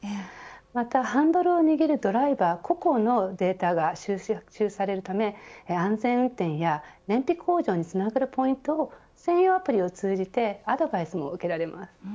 またハンドルを握るドライバー個々のデータが収集されるため安全運転や燃費向上につながるポイントを専用アプリを通じてアドバイスも受けられます。